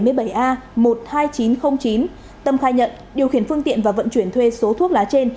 tầm khai nhận điều khiển phương tiện và vận chuyển thuê số thuốc lá trên